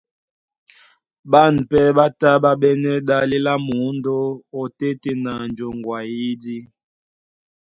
Ɓân pɛ́ ɓá tá ɓá ɓɛ́nɛ́ ɗále lá mǔndó óteten a joŋgo a eyídí.